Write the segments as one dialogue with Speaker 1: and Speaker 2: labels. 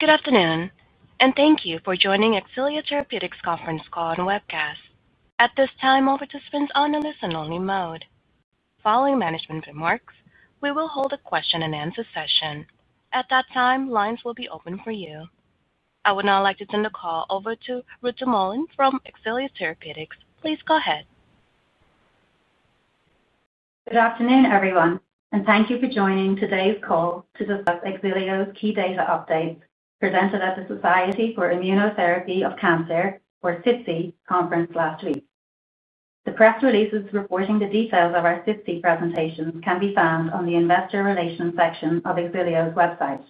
Speaker 1: Good afternoon, and thank you for joining Xilio Therapeutics' Conference Call and Webcast. At this time, all participants are on a listen-only mode. Following management remarks, we will hold a question-and-answer session. At that time, lines will be open for you. I would now like to turn the call over to Ruth du Moulin from Xilio Therapeutics. Please go ahead.
Speaker 2: Good afternoon, everyone, and thank you for joining today's call to discuss Xilio's key data updates presented at the Society for Immunotherapy of Cancer, or SITC, conference last week. The press releases reporting the details of our SITC presentations can be found on the investor relations section of Xilio's website.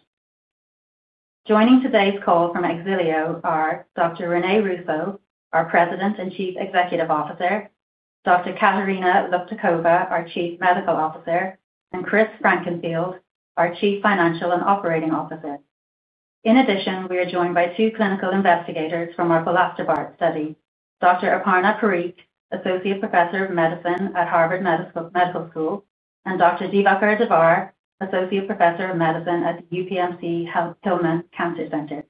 Speaker 2: Joining today's call from Xilio are Dr. René Russo, our President and Chief Executive Officer; Dr. Katarina Luptakova, our Chief Medical Officer; and Chris Frankenfield, our Chief Financial and Operating Officer. In addition, we are joined by two clinical investigators from our plasterboard study: Dr. Aparna Parikh, Associate Professor of Medicine at Harvard Medical School; and Dr. Diwakar Davar, Associate Professor of Medicine at UPMC Hillman Cancer Center.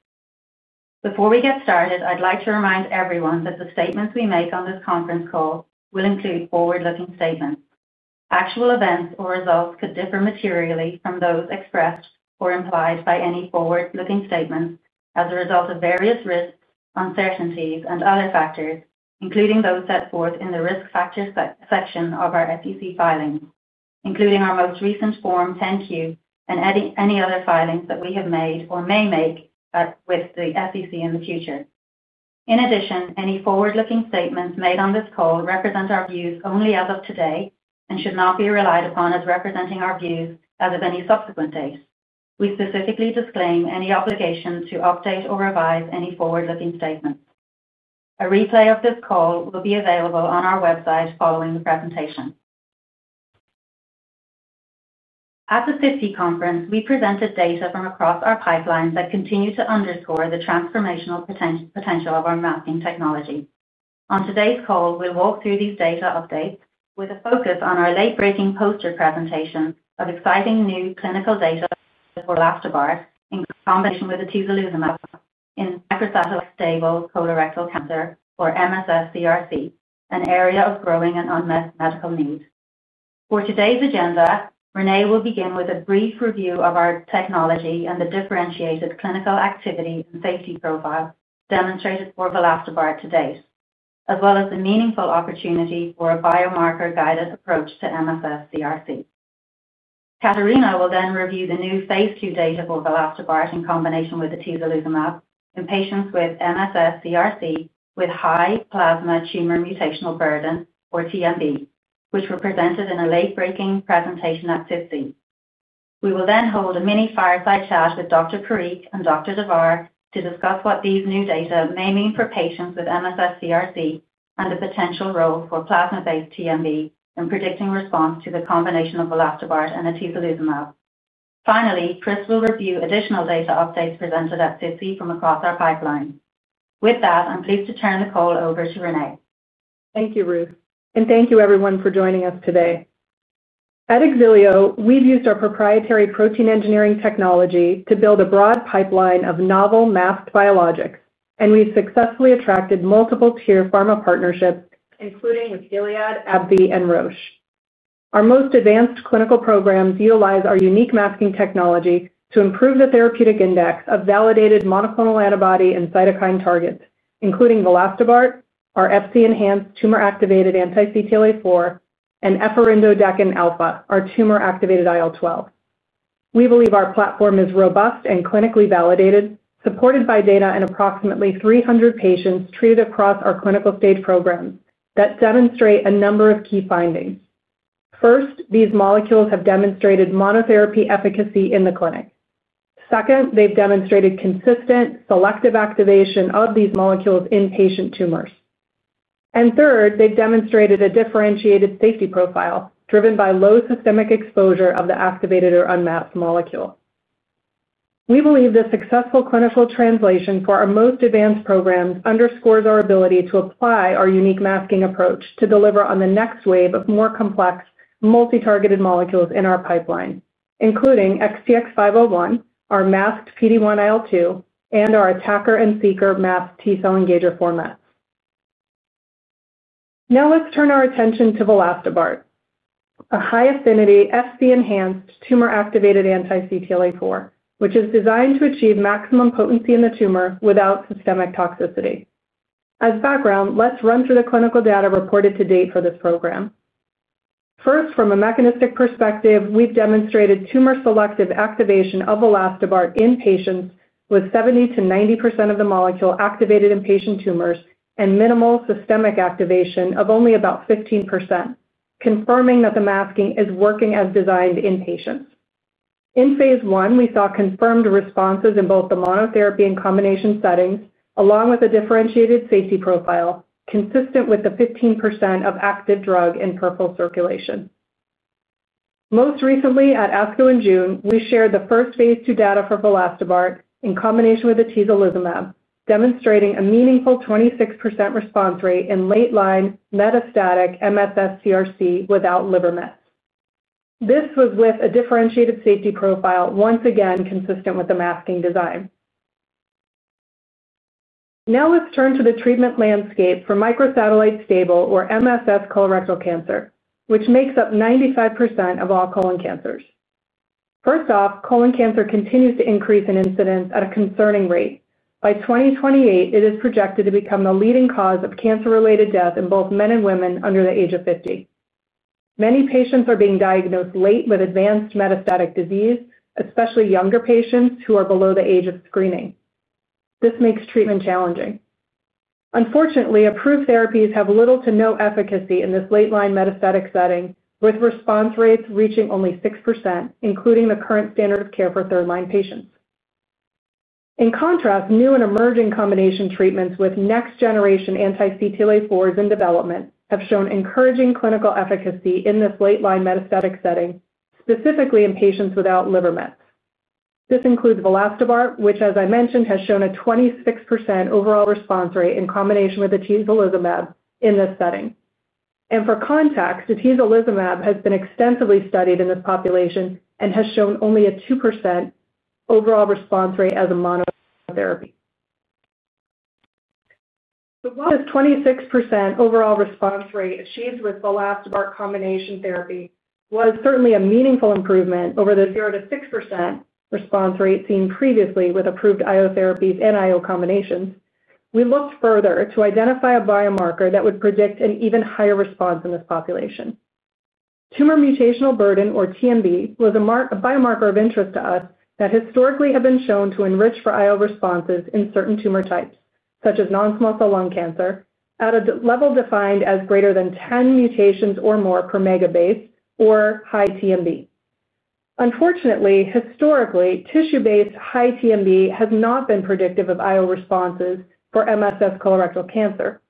Speaker 2: Before we get started, I'd like to remind everyone that the statements we make on this conference call will include forward-looking statements. Actual events or results could differ materially from those expressed or implied by any forward-looking statements as a result of various risks, uncertainties, and other factors, including those set forth in the risk factor section of our SEC filings, including our most recent Form 10-Q and any other filings that we have made or may make with the SEC in the future. In addition, any forward-looking statements made on this call represent our views only as of today and should not be relied upon as representing our views as of any subsequent dates. We specifically disclaim any obligation to update or revise any forward-looking statements. A replay of this call will be available on our website following the presentation. At the SITC Conference, we presented data from across our pipelines that continue to underscore the transformational potential of our masking technology. On today's call, we'll walk through these data updates with a focus on our late-breaking poster presentation of exciting new clinical data for Vilastobart, in combination with Atezolizumab in microsatellite stable colorectal cancer, or MSS CRC, an area of growing and unmet medical needs. For today's agenda, Rene will begin with a brief review of our technology and the differentiated clinical activity and safety profile demonstrated for Vilastobart to date, as well as the meaningful opportunity for a biomarker-guided approach to MSS CRC. Katarina will then review the new phase II data for Vilastobart in combination with Atezolizumab in patients with MSS CRC with high plasma tumor mutational burden, or TMB, which were presented in a late-breaking presentation at SITC. We will then hold a mini fireside chat with Dr. Parikh and Dr. Davar to discuss what these new data may mean for patients with MSS CRC and the potential role for plasma-based TMB in predicting response to the combination of Vilastobart and Atezolizumab. Finally, Chris will review additional data updates presented at SITC from across our pipeline. With that, I'm pleased to turn the call over to René.
Speaker 3: Thank you, Ruth, and thank you, everyone, for joining us today. At Xilio, we've used our proprietary protein engineering technology to build a broad pipeline of novel masked biologics, and we've successfully attracted multiple tier pharma partnerships, including with Gilead, AbbVie, and Roche. Our most advanced clinical programs utilize our unique masking technology to improve the therapeutic index of validated monoclonal antibody and cytokine targets, including Vilastobart, our FC-enhanced tumor-activated anti-CTLA-4, and Efarindodekin Alfa, our tumor-activated IL-12. We believe our platform is robust and clinically validated, supported by data in approximately 300 patients treated across our clinical stage programs that demonstrate a number of key findings. First, these molecules have demonstrated monotherapy efficacy in the clinic. Second, they've demonstrated consistent selective activation of these molecules in patient tumors. Third, they've demonstrated a differentiated safety profile driven by low systemic exposure of the activated or unmasked molecule. We believe this successful clinical translation for our most advanced programs underscores our ability to apply our unique masking approach to deliver on the next wave of more complex, multi-targeted molecules in our pipeline, including XTX501, our masked PD-1/IL-2, and our ATACR and SEECR masked T-cell engager formats. Now let's turn our attention to Vilastobart, a high-affinity FC-enhanced tumor-activated anti-CTLA-4, which is designed to achieve maximum potency in the tumor without systemic toxicity. As background, let's run through the clinical data reported to date for this program. First, from a mechanistic perspective, we've demonstrated tumor-selective activation of Vilastobart in patients with 70%-90% of the molecule activated in patient tumors and minimal systemic activation of only about 15%, confirming that the masking is working as designed in patients. In phase I, we saw confirmed responses in both the monotherapy and combination settings, along with a differentiated safety profile consistent with the 15% of active drug in peripheral circulation. Most recently, at ASCO in June, we shared the first phase II data for Vilastobart in combination with the Atezolizumab, demonstrating a meaningful 26% response rate in late-line metastatic MSS CRC without liver mets. This was with a differentiated safety profile, once again consistent with the masking design. Now let's turn to the treatment landscape for microsatellite stable, or MSS colorectal cancer, which makes up 95% of all colon cancers. First off, colon cancer continues to increase in incidence at a concerning rate. By 2028, it is projected to become the leading cause of cancer-related death in both men and women under the age of 50. Many patients are being diagnosed late with advanced metastatic disease, especially younger patients who are below the age of screening. This makes treatment challenging. Unfortunately, approved therapies have little to no efficacy in this late-line metastatic setting, with response rates reaching only 6%, including the current standard of care for third-line patients. In contrast, new and emerging combination treatments with next-generation anti-CTLA-4s in development have shown encouraging clinical efficacy in this late-line metastatic setting, specifically in patients without liver mets. This includes Vilastobart, which, as I mentioned, has shown a 26% overall response rate in combination with the Atezolizumab in this setting. For context, the Atezolizumab has been extensively studied in this population and has shown only a 2% overall response rate as a monotherapy. While this 26% overall response rate achieved with Vilastobart combination therapy was certainly a meaningful improvement over the 0%-6% response rate seen previously with approved IO therapies and IO combinations, we looked further to identify a biomarker that would predict an even higher response in this population. Tumor Mutational Burden, or TMB, was a biomarker of interest to us that historically had been shown to enrich for IO responses in certain tumor types, such as non-small cell lung cancer, at a level defined as greater than 10 mutations or more per megabase, or high TMB. Unfortunately, historically, tissue-based high TMB has not been predictive of IO responses for MSS colorectal cancer.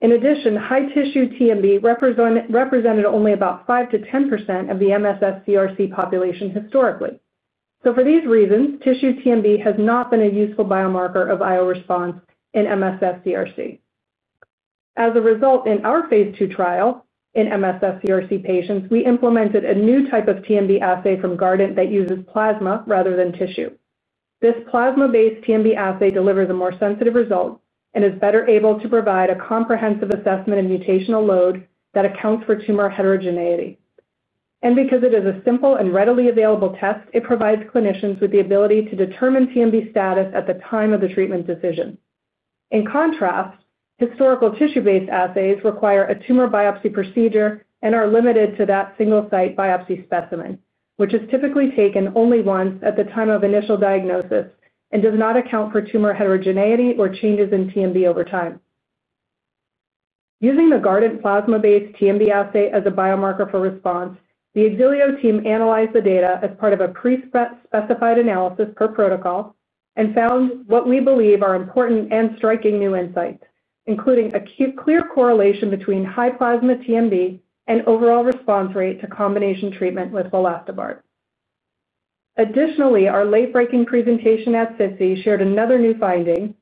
Speaker 3: In addition, high tissue TMB represented only about 5%-10% of the MSS CRC population historically. For these reasons, tissue TMB has not been a useful biomarker of IO response in MSS CRC. As a result, in our phase II trial in MSS CRC patients, we implemented a new type of TMB assay from Guardant that uses plasma rather than tissue. This plasma-based TMB assay delivers a more sensitive result and is better able to provide a comprehensive assessment of mutational load that accounts for tumor heterogeneity. Because it is a simple and readily available test, it provides clinicians with the ability to determine TMB status at the time of the treatment decision. In contrast, historical tissue-based assays require a tumor biopsy procedure and are limited to that single-site biopsy specimen, which is typically taken only once at the time of initial diagnosis and does not account for tumor heterogeneity or changes in TMB over time. Using the Guardant plasma-based TMB assay as a biomarker for response, the Xilio team analyzed the data as part of a pre-specified analysis per protocol and found what we believe are important and striking new insights, including a clear correlation between high plasma TMB and overall response rate to combination treatment with Vilastobart. Additionally, our late-breaking presentation at SITC shared another new finding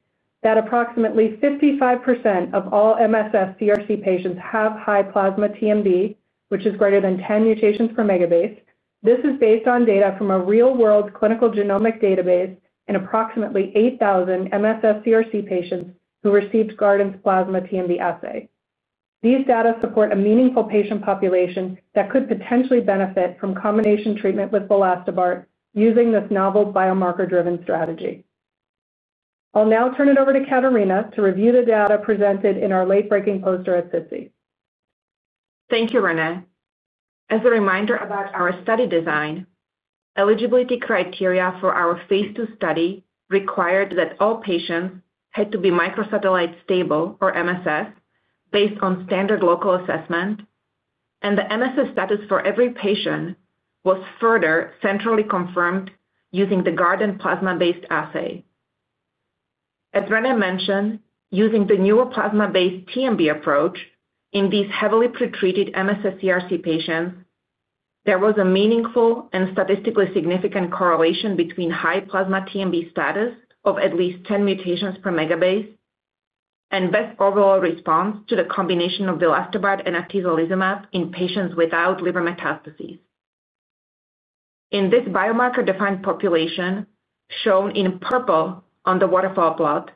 Speaker 3: that approximately 55% of all MSS CRC patients have high plasma TMB, which is greater than 10 mutations per megabase. This is based on data from a real-world clinical genomic database in approximately 8,000 MSS CRC patients who received Guardant's plasma TMB assay. These data support a meaningful patient population that could potentially benefit from combination treatment with Vilastobart using this novel biomarker-driven strategy. I'll now turn it over to Katarina to review the data presented in our late-breaking poster at SITC.
Speaker 4: Thank you, René. As a reminder about our study design, eligibility criteria for our phase II study required that all patients had to be microsatellite stable, or MSS, based on standard local assessment, and the MSS status for every patient was further centrally confirmed using the Guardant plasma-based assay. As René mentioned, using the newer plasma-based TMB approach in these heavily pretreated MSS CRC patients, there was a meaningful and statistically significant correlation between high plasma TMB status of at least 10 mutations per megabase and best overall response to the combination of Vilastobart and Atezolizumab in patients without liver metastases. In this biomarker-defined population, shown in purple on the waterfall plot,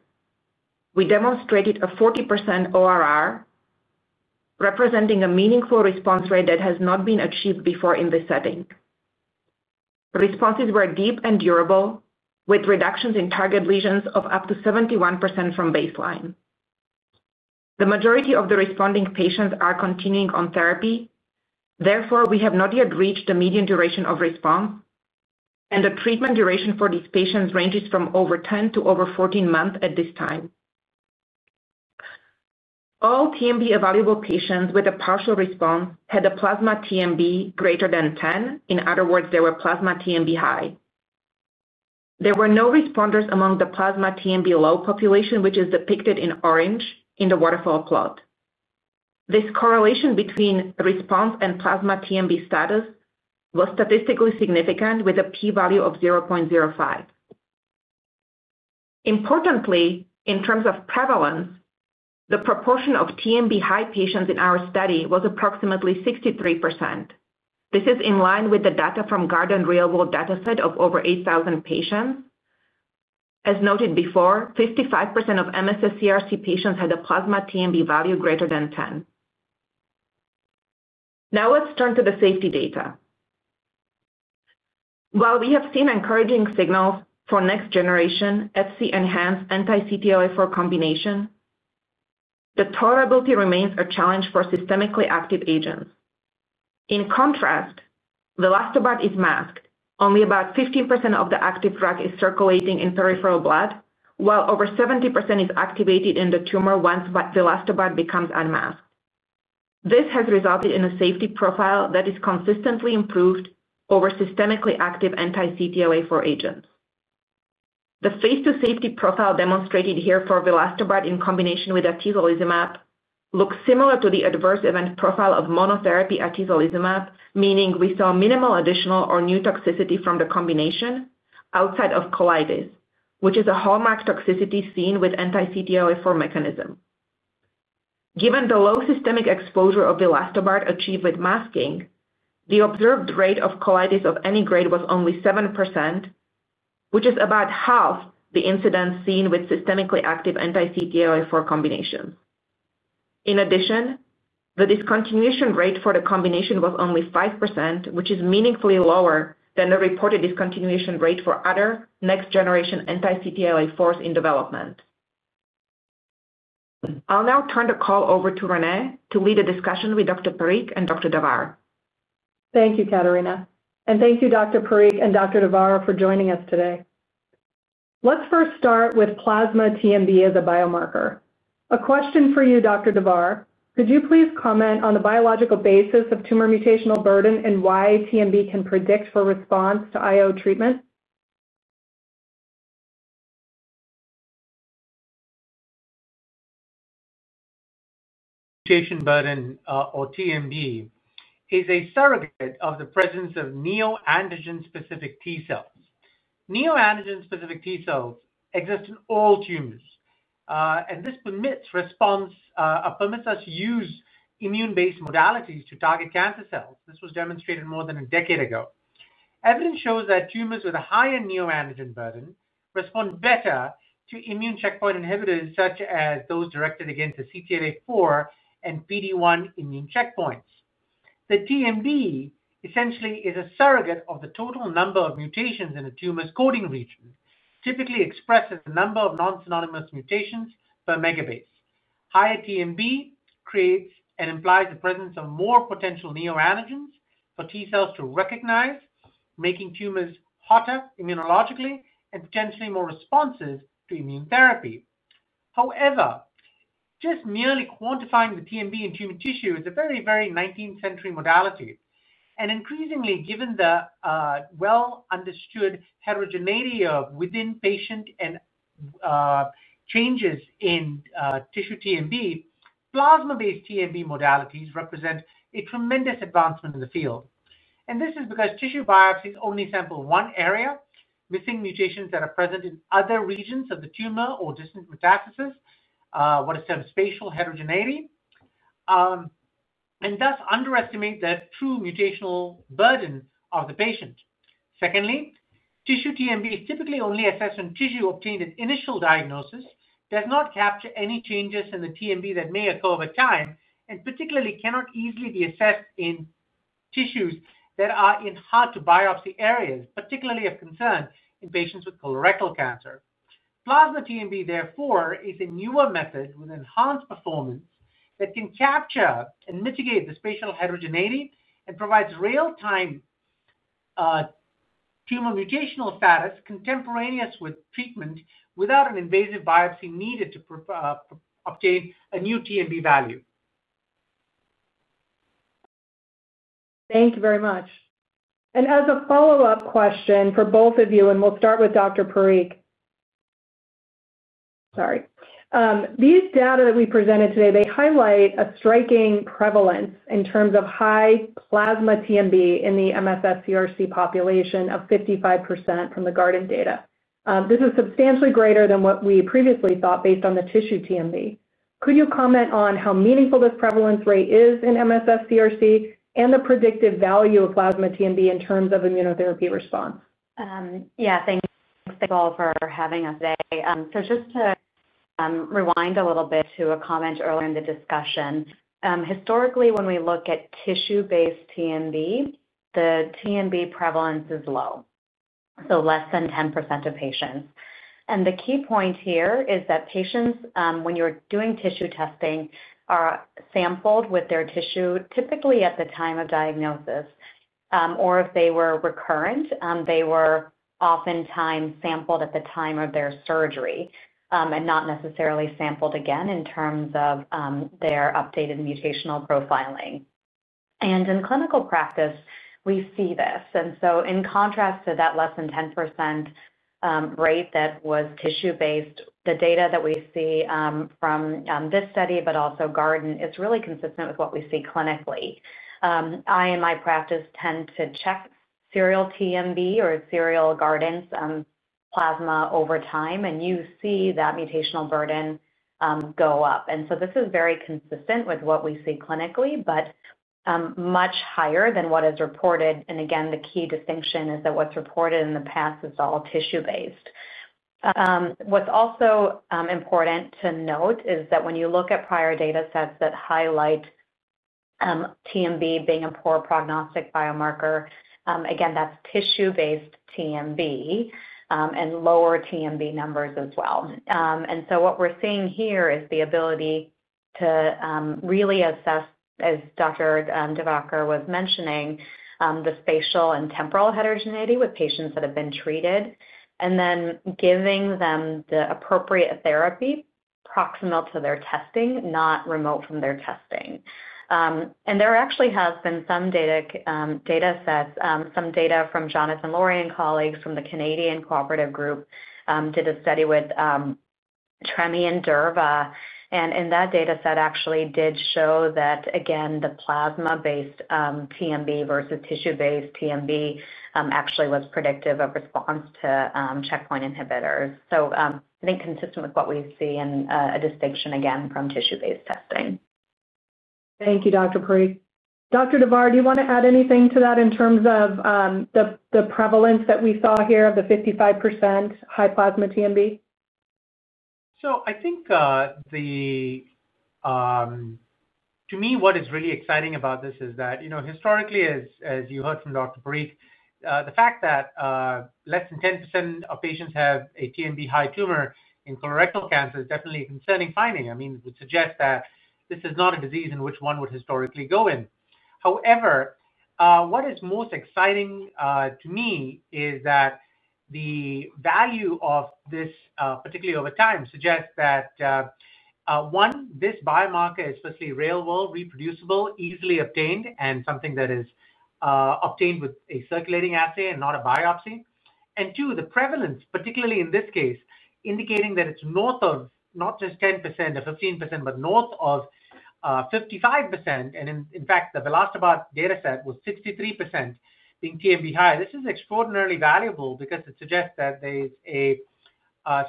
Speaker 4: we demonstrated a 40% ORR representing a meaningful response rate that has not been achieved before in this setting. Responses were deep and durable, with reductions in target lesions of up to 71% from baseline. The majority of the responding patients are continuing on therapy. Therefore, we have not yet reached the median duration of response, and the treatment duration for these patients ranges from over 10 to over 14 months at this time. All TMB-available patients with a partial response had a plasma TMB greater than 10; in other words, they were plasma TMB high. There were no responders among the plasma TMB low population, which is depicted in orange in the waterfall plot. This correlation between response and plasma TMB status was statistically significant, with a p-value of 0.05. Importantly, in terms of prevalence, the proportion of TMB high patients in our study was approximately 63%. This is in line with the data from Guardant real-world data set of over 8,000 patients. As noted before, 55% of MSS CRC patients had a plasma TMB value greater than 10. Now let's turn to the safety data. While we have seen encouraging signals for next-generation FC-enhanced anti-CTLA-4 combination, the tolerability remains a challenge for systemically active agents. In contrast, Vilastobart is masked. Only about 15% of the active drug is circulating in peripheral blood, while over 70% is activated in the tumor once Vilastobart becomes unmasked. This has resulted in a safety profile that is consistently improved over systemically active anti-CTLA-4 agents. The phase II safety profile demonstrated here for Vilastobart in combination with Atezolizumab looks similar to the adverse event profile of monotherapy at Atezolizumab, meaning we saw minimal additional or new toxicity from the combination outside of colitis, which is a hallmark toxicity seen with anti-CTLA-4 mechanism. Given the low systemic exposure of Vilastobart achieved with masking, the observed rate of colitis of any grade was only 7%, which is about half the incidence seen with systemically active anti-CTLA-4 combinations. In addition, the discontinuation rate for the combination was only 5%, which is meaningfully lower than the reported discontinuation rate for other next-generation anti-CTLA-4s in development. I'll now turn the call over to Rene to lead a discussion with Dr. Parikh and Dr. Davar.
Speaker 3: Thank you, Katarina. Thank you, Dr. Parikh and Dr. Davar, for joining us today. Let's first start with plasma TMB as a biomarker. A question for you, Dr. Davar. Could you please comment on the biological basis of tumor mutational burden and why TMB can predict for response to IO treatment?
Speaker 5: Mutation burden, or TMB, is a surrogate of the presence of neoantigen-specific T cells. neoantigen-specific T cells exist in all tumors, and this permits response or permits us to use immune-based modalities to target cancer cells. This was demonstrated more than a decade ago. Evidence shows that tumors with a higher neoantigen burden respond better to immune checkpoint inhibitors such as those directed against the CTLA-4 and PD-1 immune checkpoints. The TMB essentially is a surrogate of the total number of mutations in a tumor's coding region, typically expressed as a number of non-synonymous mutations per megabase. Higher TMB creates and implies the presence of more potential neoantigens for T cells to recognize, making tumors hotter immunologically and potentially more responsive to immune therapy. However, just merely quantifying the TMB in human tissue is a very, very 19th-century modality. Increasingly, given the well-understood heterogeneity of within-patient changes in tissue TMB, plasma-based TMB modalities represent a tremendous advancement in the field. This is because tissue biopsies only sample one area, missing mutations that are present in other regions of the tumor or distant metastasis, what is termed Spatial heterogeneity, and thus underestimate the true mutational burden of the patient. Secondly, tissue TMB is typically only assessed when tissue obtained at initial diagnosis does not capture any changes in the TMB that may occur over time, and particularly cannot easily be assessed in tissues that are in hard-to-biopsy areas, particularly of concern in patients with colorectal cancer. Plasma TMB, therefore, is a newer method with enhanced performance that can capture and mitigate the spatial heterogeneity and provides real-time tumor mutational status contemporaneous with treatment without an invasive biopsy needed to obtain a new TMB value.
Speaker 3: Thank you very much. As a follow-up question for both of you, and we'll start with Dr. Parikh. Sorry. These data that we presented today, they highlight a striking prevalence in terms of high plasma TMB in the MSS CRC population of 55% from the Guardant data. This is substantially greater than what we previously thought based on the tissue TMB. Could you comment on how meaningful this prevalence rate is in MSS CRC and the predictive value of plasma TMB in terms of immunotherapy response?
Speaker 6: Yeah, thanks, Nicole, for having us today. Just to rewind a little bit to a comment earlier in the discussion. Historically, when we look at tissue-based TMB, the TMB prevalence is low, so less than 10% of patients. The key point here is that patients, when you're doing tissue testing, are sampled with their tissue typically at the time of diagnosis, or if they were recurrent, they were oftentimes sampled at the time of their surgery and not necessarily sampled again in terms of their updated mutational profiling. In clinical practice, we see this. In contrast to that less than 10% rate that was tissue-based, the data that we see from this study, but also Guardant, is really consistent with what we see clinically. I and my practice tend to check serial TMB or serial Guardant plasma over time, and you see that mutational burden go up. This is very consistent with what we see clinically, but much higher than what is reported. The key distinction is that what is reported in the past is all tissue-based. What is also important to note is that when you look at prior data sets that highlight TMB being a poor prognostic biomarker, that is tissue-based TMB and lower TMB numbers as well. What we are seeing here is the ability to really assess, as Dr. Davar was mentioning, the spatial and temporal heterogeneity with patients that have been treated, and then giving them the appropriate therapy proximal to their testing, not remote from their testing. There actually has been some data sets, some data from Jonathan Loree and colleagues from the Canadian cooperative group did a study with Tremelimumab and Durva. In that data set, actually did show that, again, the plasma-based TMB versus tissue-based TMB actually was predictive of response to checkpoint inhibitors. I think consistent with what we see in a distinction, again, from tissue-based testing.
Speaker 3: Thank you, Dr. Parikh. Dr. Davar, do you want to add anything to that in terms of the prevalence that we saw here of the 55% high plasma TMB?
Speaker 5: I think to me, what is really exciting about this is that historically, as you heard from Dr. Parikh, the fact that less than 10% of patients have a TMB high tumor in colorectal cancer is definitely a concerning finding. I mean, it would suggest that this is not a disease in which one would historically go in. However, what is most exciting to me is that the value of this, particularly over time, suggests that, one, this biomarker, especially real-world, reproducible, easily obtained, and something that is obtained with a circulating assay and not a biopsy. Two, the prevalence, particularly in this case, indicating that it's north of not just 10% or 15%, but north of 55%. In fact, the Vilastobart data set was 63% being TMB high. This is extraordinarily valuable because it suggests that there's a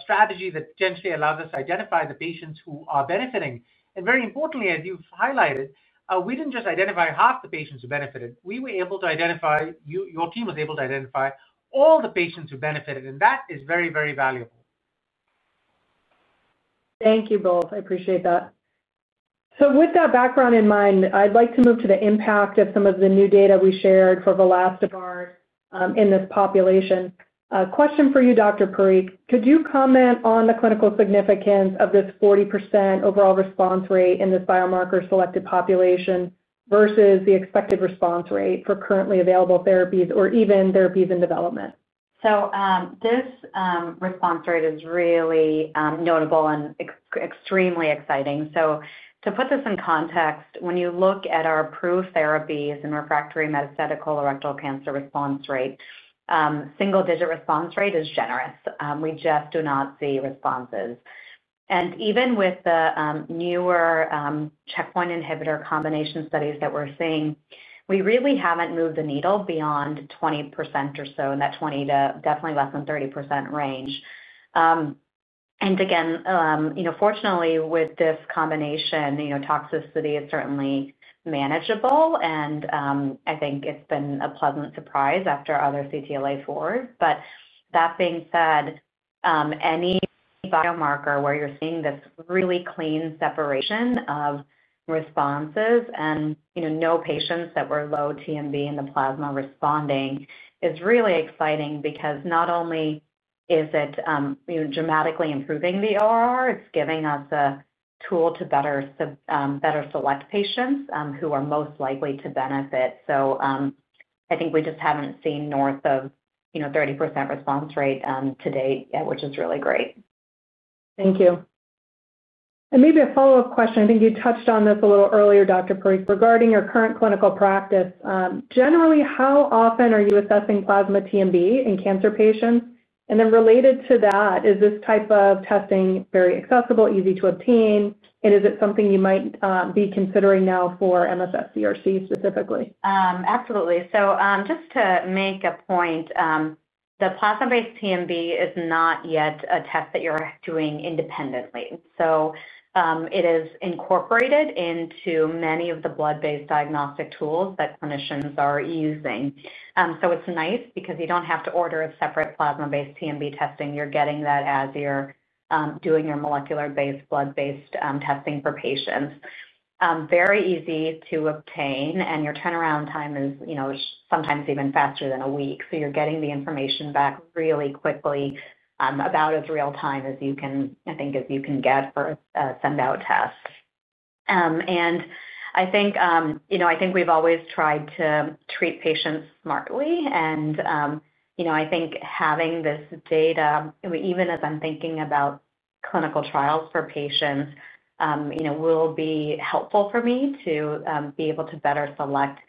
Speaker 5: strategy that potentially allows us to identify the patients who are benefiting. Very importantly, as you've highlighted, we didn't just identify half the patients who benefited. We were able to identify, your team was able to identify, all the patients who benefited. That is very, very valuable.
Speaker 3: Thank you both. I appreciate that. With that background in mind, I'd like to move to the impact of some of the new data we shared for Vilastobart in this population. Question for you, Dr. Parikh. Could you comment on the clinical significance of this 40% overall response rate in this biomarker-selected population versus the expected response rate for currently available therapies or even therapies in development?
Speaker 6: This response rate is really notable and extremely exciting. To put this in context, when you look at our approved therapies in refractory metastatic colorectal cancer, response rate, single-digit response rate is generous. We just do not see responses. Even with the newer checkpoint inhibitor combination studies that we are seeing, we really have not moved the needle beyond 20% or so, in that 20%-definitely less than 30% range. Fortunately, with this combination, toxicity is certainly manageable. I think it has been a pleasant surprise after other CTLA-4s. That being said, any biomarker where you are seeing this really clean separation of responses and no patients that were low TMB in the plasma responding is really exciting because not only is it dramatically improving the ORR, it is giving us a tool to better select patients who are most likely to benefit. I think we just haven't seen north of 30% response rate to date, which is really great.
Speaker 3: Thank you. Maybe a follow-up question. I think you touched on this a little earlier, Dr. Parikh, regarding your current clinical practice. Generally, how often are you assessing plasma TMB in cancer patients? Related to that, is this type of testing very accessible, easy to obtain, and is it something you might be considering now for MSS CRC specifically?
Speaker 6: Absolutely. Just to make a point, the plasma-based TMB is not yet a test that you're doing independently. It is incorporated into many of the blood-based diagnostic tools that clinicians are using. It is nice because you don't have to order a separate plasma-based TMB testing. You're getting that as you're doing your molecular-based, blood-based testing for patients. Very easy to obtain, and your turnaround time is sometimes even faster than a week. You're getting the information back really quickly, about as real-time as you can, I think, as you can get for a send-out test. I think we've always tried to treat patients smartly. I think having this data, even as I'm thinking about clinical trials for patients, will be helpful for me to be able to better select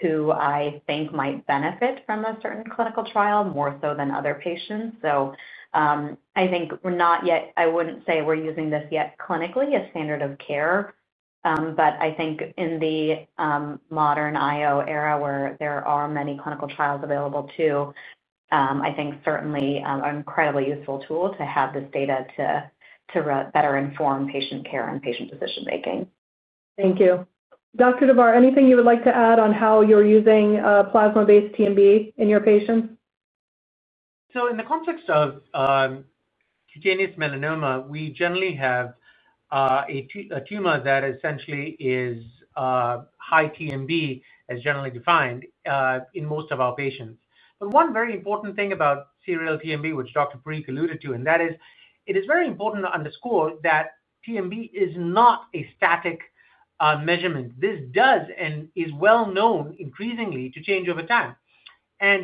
Speaker 6: who I think might benefit from a certain clinical trial more so than other patients. I think we're not yet—I wouldn't say we're using this yet clinically as standard of care. I think in the modern IO era, where there are many clinical trials available too, I think certainly an incredibly useful tool to have this data to better inform patient care and patient decision-making.
Speaker 3: Thank you. Dr. Davar, anything you would like to add on how you're using plasma-based TMB in your patients?
Speaker 5: In the context of cutaneous melanoma, we generally have a tumor that essentially is high TMB, as generally defined, in most of our patients. One very important thing about serial TMB, which Dr. Parikh alluded to, is that it is very important to underscore that TMB is not a static measurement. This does and is well known increasingly to change over time.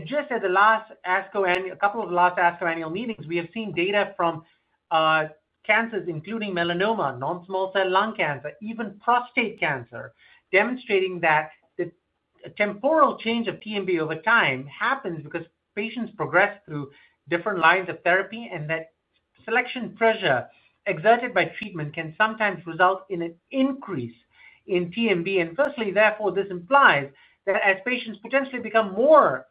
Speaker 5: Just at the last ASCO annual—a couple of the last ASCO annual meetings, we have seen data from cancers, including melanoma, non-small cell lung cancer, even prostate cancer, demonstrating that the temporal change of TMB over time happens because patients progress through different lines of therapy and that selection pressure exerted by treatment can sometimes result in an increase in TMB. Firstly, therefore, this implies that as patients potentially become more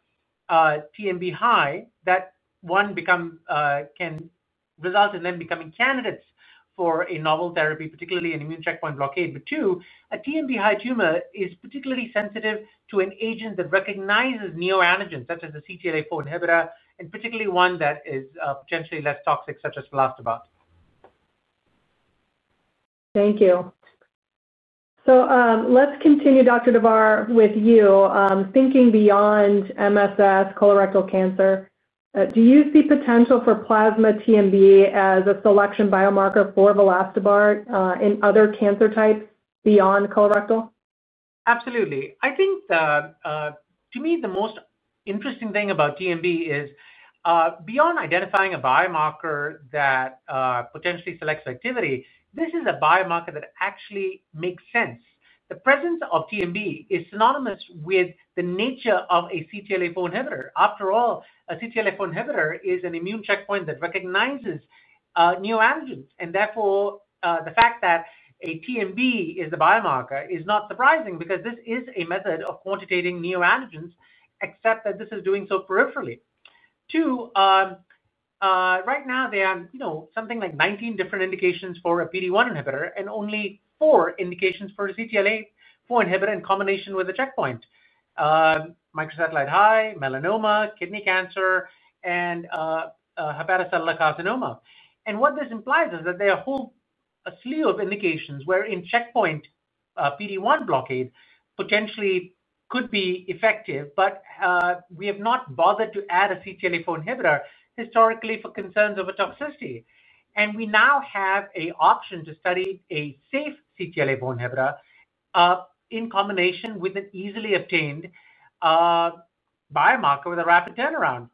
Speaker 5: TMB high, that one can result in them becoming candidates for a novel therapy, particularly an immune checkpoint blockade. Two, a TMB high tumor is particularly sensitive to an agent that recognizes neoantigens such as a CTLA-4 inhibitor, and particularly one that is potentially less toxic, such as Vilastobart.
Speaker 3: Thank you. Let's continue, Dr. Davar, with you. Thinking beyond MSS CRC, do you see potential for plasma TMB as a selection biomarker for Vilastobart in other cancer types beyond colorectal?
Speaker 5: Absolutely. I think to me, the most interesting thing about TMB is beyond identifying a biomarker that potentially selects activity, this is a biomarker that actually makes sense. The presence of TMB is synonymous with the nature of a CTLA-4 inhibitor. After all, a CTLA-4 inhibitor is an immune checkpoint that recognizes neoantigens. Therefore, the fact that a TMB is the biomarker is not surprising because this is a method of quantitating neoantigens, except that this is doing so peripherally. Two, right now, there are something like 19 different indications for a PD-1 inhibitor and only four indications for a CTLA-4 inhibitor in combination with a checkpoint: microsatellite high, melanoma, kidney cancer, and hepatocellular carcinoma. What this implies is that there are a whole slew of indications wherein checkpoint PD-1 blockade potentially could be effective, but we have not bothered to add a CTLA-4 inhibitor historically for concerns over toxicity. We now have an option to study a safe CTLA-4 inhibitor in combination with an easily obtained biomarker with a rapid turnaround.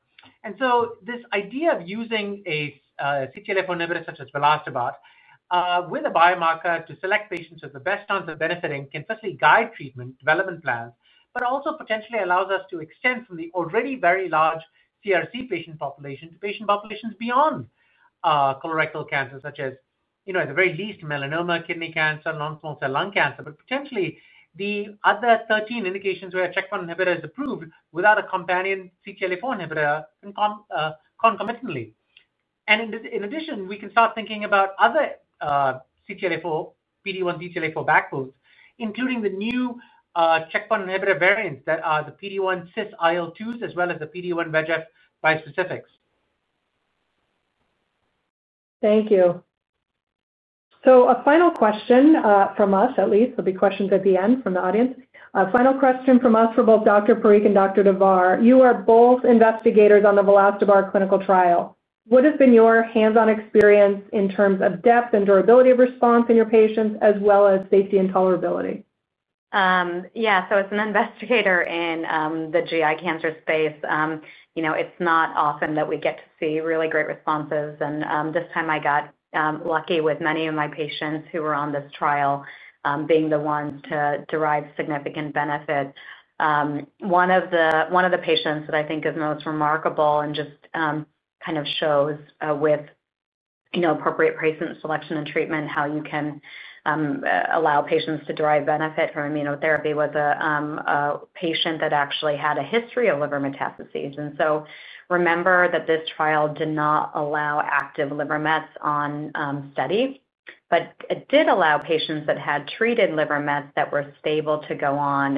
Speaker 5: This idea of using a CTLA-4 inhibitor such as Vilastobart with a biomarker to select patients with the best chance of benefiting can firstly guide treatment development plans, but also potentially allows us to extend from the already very large CRC patient population to patient populations beyond colorectal cancer, such as at the very least melanoma, kidney cancer, non-small cell lung cancer. Potentially, the other 13 indications where a checkpoint inhibitor is approved without a companion CTLA-4 inhibitor concomitantly. In addition, we can start thinking about other PD-1 CTLA-4 backbones, including the new checkpoint inhibitor variants that are the PD-1 cis IL-2s as well as the PD-1 VEGF bispecifics.
Speaker 3: Thank you. So a final question from us, at least. There will be questions at the end from the audience. Final question from us for both Dr. Parikh and Dr. Davar. You are both investigators on the Vilastobart clinical trial. What has been your hands-on experience in terms of depth and durability of response in your patients, as well as safety and tolerability?
Speaker 6: Yeah. As an investigator in the GI cancer space, it's not often that we get to see really great responses. This time, I got lucky with many of my patients who were on this trial being the ones to derive significant benefit. One of the patients that I think is most remarkable and just kind of shows with appropriate patient selection and treatment how you can allow patients to derive benefit from immunotherapy was a patient that actually had a history of liver metastases. Remember that this trial did not allow active liver mets on study, but it did allow patients that had treated liver mets that were stable to go on.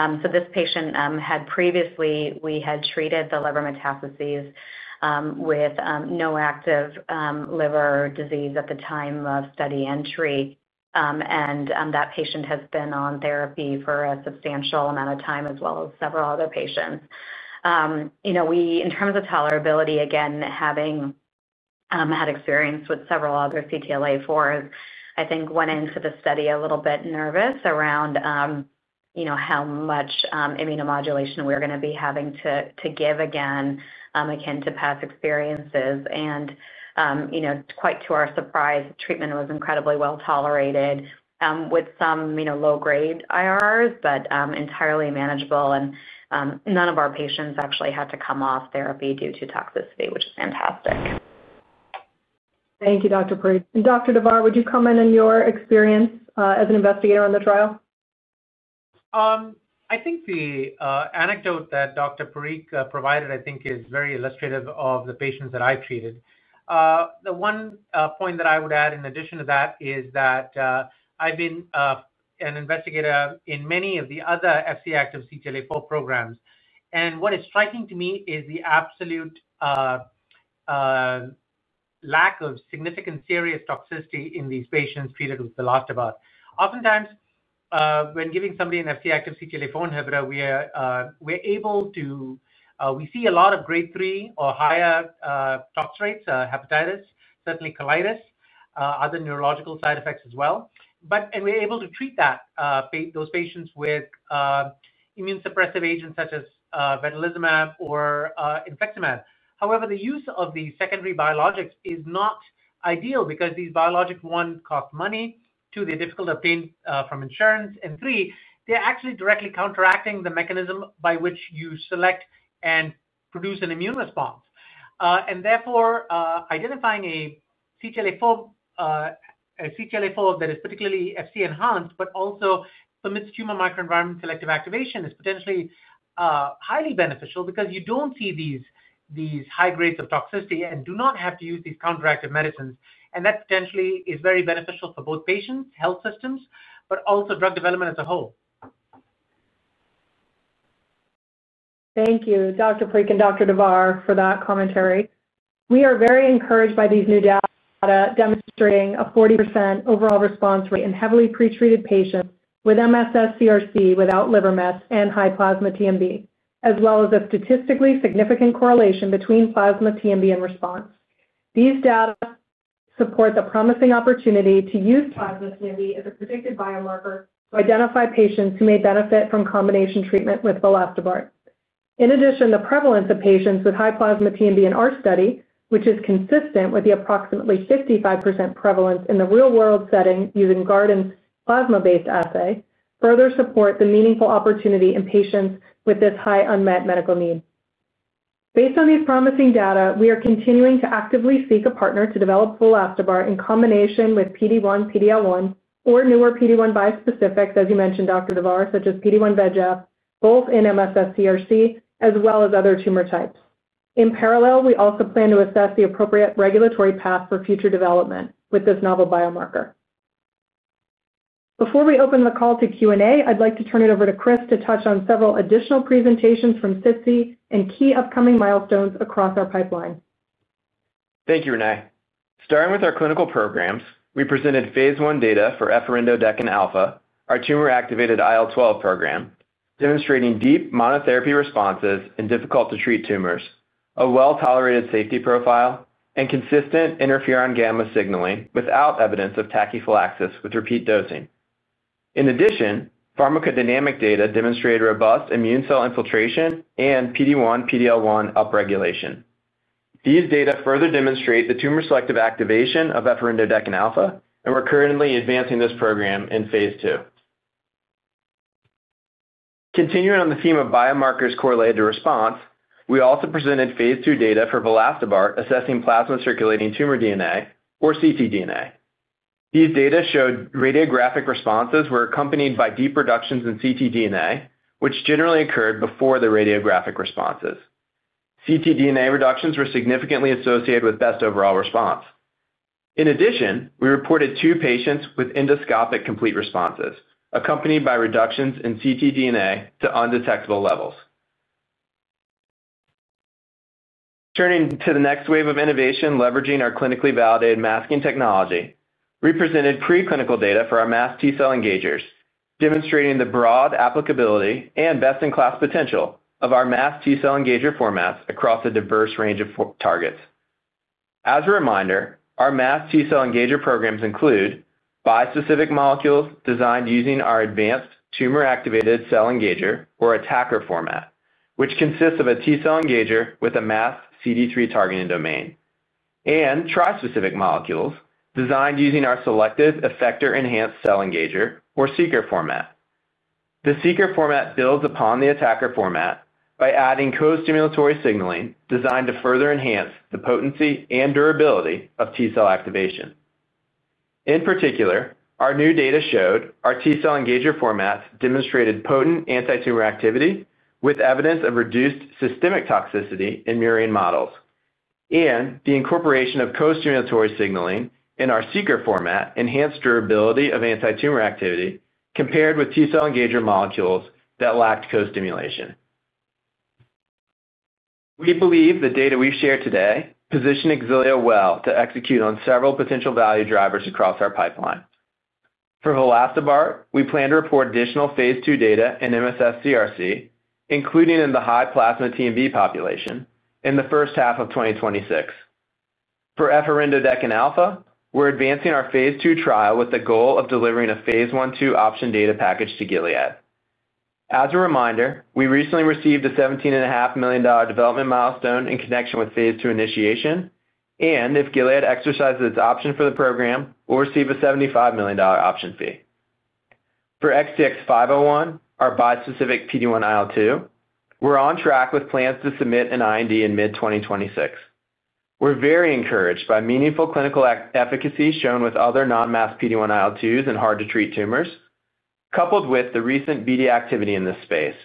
Speaker 6: This patient had previously—we had treated the liver metastases with no active liver disease at the time of study entry. That patient has been on therapy for a substantial amount of time, as well as several other patients. We, in terms of tolerability, again, having had experience with several other CTLA-4s, I think went into the study a little bit nervous around how much immunomodulation we were going to be having to give again, akin to past experiences. Quite to our surprise, treatment was incredibly well tolerated with some low-grade IRRs, but entirely manageable. None of our patients actually had to come off therapy due to toxicity, which is fantastic.
Speaker 3: Thank you, Dr. Parikh. Dr. Davar, would you comment on your experience as an investigator on the trial?
Speaker 5: I think the anecdote that Dr. Parikh provided, I think, is very illustrative of the patients that I've treated. The one point that I would add in addition to that is that I've been an investigator in many of the other FC-active CTLA-4 programs. What is striking to me is the absolute lack of significant serious toxicity in these patients treated with Vilastobart. Oftentimes, when giving somebody an FC-active CTLA-4 inhibitor, we see a lot of Grade 3 or higher toxic rates: hepatitis, certainly colitis, other neurological side effects as well. We are able to treat those patients with immunosuppressive agents such as vedolizumab or infliximab. However, the use of the secondary biologics is not ideal because these biologics, one, cost money, two, they're difficult to obtain from insurance, and three, they're actually directly counteracting the mechanism by which you select and produce an immune response. Therefore, identifying a CTLA-4 that is particularly FC enhanced, but also permits tumor microenvironment selective activation, is potentially highly beneficial because you do not see these high grades of toxicity and do not have to use these counteractive medicines. That potentially is very beneficial for both patients, health systems, but also drug development as a whole.
Speaker 3: Thank you, Dr. Parikh and Dr. Davar, for that commentary. We are very encouraged by these new data demonstrating a 40% overall response rate in heavily pretreated patients with MSS CRC without liver mets and high plasma TMB, as well as a statistically significant correlation between plasma TMB and response. These data support the promising opportunity to use plasma TMB as a predicted biomarker to identify patients who may benefit from combination treatment with Vilastobart. In addition, the prevalence of patients with high plasma TMB in our study, which is consistent with the approximately 55% prevalence in the real-world setting using Guardant Health's plasma-based assay, further supports the meaningful opportunity in patients with this high unmet medical need. Based on these promising data, we are continuing to actively seek a partner to develop Vilastobart in combination with PD-1, PD-L1, or newer PD-1 bispecifics, as you mentioned, Dr. Davar, such as PD-1 VEGF, both in MSS CRC as well as other tumor types. In parallel, we also plan to assess the appropriate regulatory path for future development with this novel biomarker. Before we open the call to Q&A, I'd like to turn it over to Chris to touch on several additional presentations from SITC and key upcoming milestones across our pipeline.
Speaker 7: Thank you, René. Starting with our clinical programs, we presented phase I data for Efarindodekin Alfa, our tumor-activated IL-12 program, demonstrating deep monotherapy responses in difficult-to-treat tumors, a well-tolerated safety profile, and consistent interferon gamma signaling without evidence of tachyphylaxis with repeat dosing. In addition, pharmacodynamic data demonstrated robust immune cell infiltration and PD-1, PD-L1 upregulation. These data further demonstrate the tumor-selective activation of Efarindodekin Alfa and we're currently advancing this program in phase II. Continuing on the theme of biomarkers correlated to response, we also presented phase II data for Vilastobart assessing plasma-circulating tumor DNA, or ctDNA. These data showed radiographic responses were accompanied by deep reductions in ctDNA, which generally occurred before the radiographic responses. ctDNA reductions were significantly associated with best overall response. In addition, we reported two patients with endoscopic complete responses accompanied by reductions in ctDNA to undetectable levels. Turning to the next wave of innovation leveraging our clinically validated masking technology, we presented preclinical data for our masked T-cell engagers, demonstrating the broad applicability and best-in-class potential of our masked T-cell engager formats across a diverse range of targets. As a reminder, our masked T-cell engager programs include bispecific molecules designed using our advanced tumor-activated cell engager, or ATACR format, which consists of a T-cell engager with a masked CD3 targeting domain, and trispecific molecules designed using our selective effector-enhanced cell engager, or SEECR format. The SEECR format builds upon the ATACR format by adding co-stimulatory signaling designed to further enhance the potency and durability of T-cell activation. In particular, our new data showed our T-cell engager formats demonstrated potent anti-tumor activity with evidence of reduced systemic toxicity in murine models. The incorporation of co-stimulatory signaling in our SEECR format enhanced durability of anti-tumor activity compared with T-cell engager molecules that lacked co-stimulation. We believe the data we've shared today position Xilio well to execute on several potential value drivers across our pipeline. For Vilastobart, we plan to report additional phase II data in MSS CRC, including in the high plasma TMB population in the first half of 2026. For Efarindodekin Alfa, we're advancing our phase II trial with the goal of delivering a phase I two option data package to Gilead. As a reminder, we recently received a $17.5 million development milestone in connection with phase II initiation. If Gilead exercises its option for the program, we'll receive a $75 million option fee. For XTX501, our bispecific PD-1 IL-2, we're on track with plans to submit an IND in mid-2026. We're very encouraged by meaningful clinical efficacy shown with other non-masked PD-1 IL-2s in hard-to-treat tumors, coupled with the recent BD activity in this space,